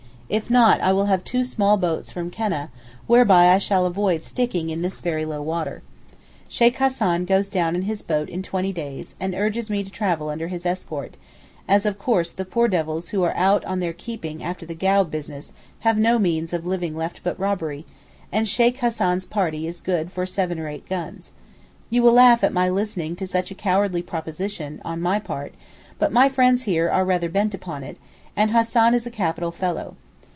If not I will have two small boats from Keneh, whereby I shall avoid sticking in this very low water. Sheykh Hassan goes down in his boat in twenty days and urges me to travel under his escort, as of course the poor devils who are 'out on their keeping' after the Gau business have no means of living left but robbery, and Sheykh Hassan's party is good for seven or eight guns. You will laugh at my listening to such a cowardly proposition (on my part) but my friends here are rather bent upon it, and Hassan is a capital fellow.